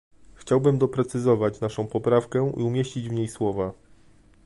Chciałabym doprecyzować naszą poprawkę i umieścić w niej słowa